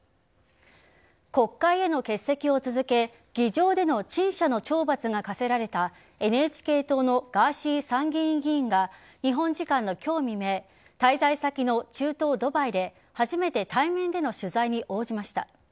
国会への欠席を続け議場での陳謝の懲罰が科せられたＮＨＫ党のガーシー参議院議員が日本時間の今日未明滞在先の中東・ドバイで初めて対面での取材に応じました。